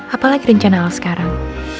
apalagi rencana al sekarang